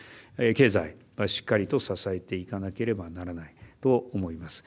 経済しっかりと支えていかなければならないと思います。